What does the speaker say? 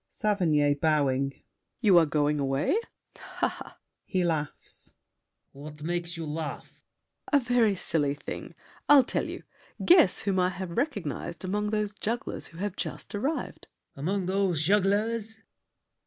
SAVERNY (bowing). You are going away? [He laughs. LAFFEMAS. What makes you laugh? SAVERNY. A very silly thing. I'll tell you. Guess whom I have recognized Among those jugglers who have just arrived. LAFFEMAS. Among those jugglers?